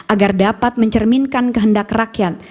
agar dapat mencerminkan kehendak rakyat